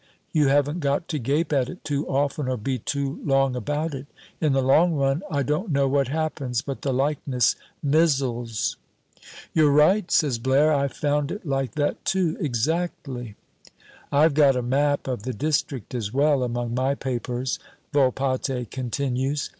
You haven't got to gape at it too often, or be too long about it; in the long run, I don't know what happens, but the likeness mizzles." "You're right," says Blaire, "I've found it like that too, exactly.'' "I've got a map of the district as well, among my papers," Volpatte continues.